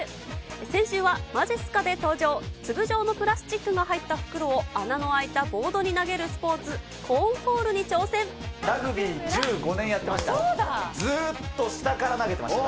先週はまじっすかで登場、粒状のプラスチックの入った袋を穴の開いたボードに投げるスポーツ、ラグビー１５年やってました。